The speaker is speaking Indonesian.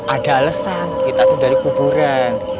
ada alesan kita tuh dari kuburan